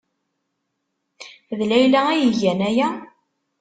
D Layla ay igan aya?